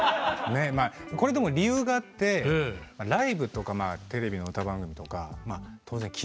これでも理由があってライブとかまあテレビの歌番組とか当然緊張するんですよ。